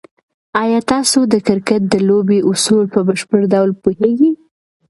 آیا تاسو د کرکټ د لوبې اصول په بشپړ ډول پوهېږئ؟